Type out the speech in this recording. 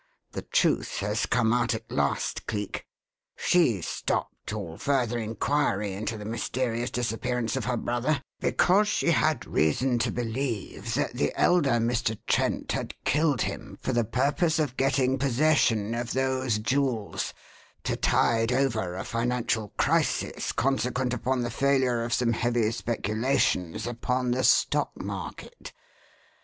The truth has come out at last, Cleek. She stopped all further inquiry into the mysterious disappearance of her brother because she had reason to believe that the elder Mr. Trent had killed him for the purpose of getting possession of those jewels to tide over a financial crisis consequent upon the failure of some heavy speculations upon the stock market.